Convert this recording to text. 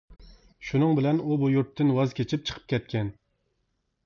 شۇنىڭ بىلەن ئۇ بۇ يۇرتتىن ۋاز كېچىپ چىقىپ كەتكەن.